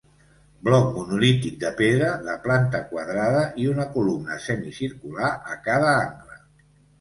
Bloc monolític de pedra, de planta quadrada i una columna semicircular a cada angle.